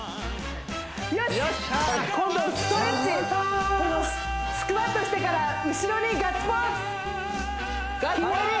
よし今度ストレッチスクワットしてから後ろにガッツポーズひねり